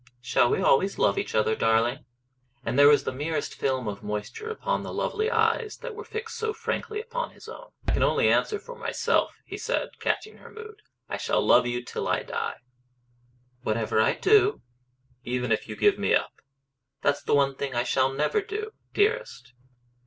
"Shall we always love each other, darling?" And there was the merest film of moisture upon the lovely eyes that were fixed so frankly upon his own. "I can only answer for myself," he said, catching her mood. "I shall love you till I die." "Whatever I do?" "Even if you give me up." "That's the one thing I shall never do, dearest."